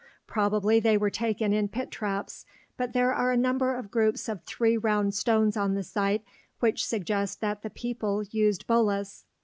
Probably they were taken in pit traps, but there are a number of groups of three round stones on the site which suggest that the people used bolas.